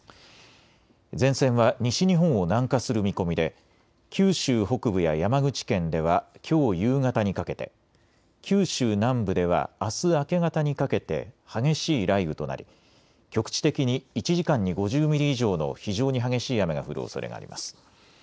前線は西日本を南下する見込みで九州北部や山口県ではきょう夕方にかけて九州南部ではあす明け方にかけて激しい雷雨となり局地的に１時間に５０ミリ以上の非常に激しい雨が降るおそれがあります。